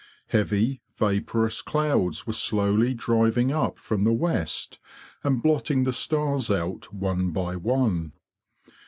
Heavy vaporous clouds were slowly driving up from the west and blotting the stars out one by one.